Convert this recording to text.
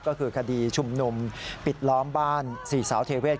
ก็คือคดีชุมนุมปิดล้อมบ้าน๔สาวเทเวศ